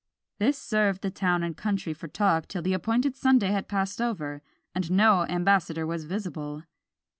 This served the town and country for talk till the appointed Sunday had passed over, and no ambassador was visible!